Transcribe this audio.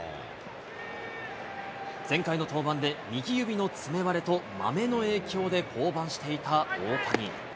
前回の登板で、右指の爪割れとまめの影響で降板していた大谷。